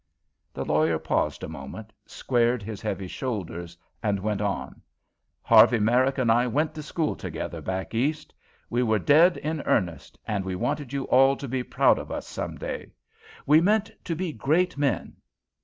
The lawyer paused a moment, squared his heavy shoulders, and went on: "Harvey Merrick and I went to school together, back East. We were dead in earnest, and we wanted you all to be proud of us some day. We meant to be great men.